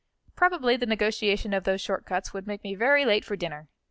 Probably the negotiation of those short cuts would make me very late for dinner.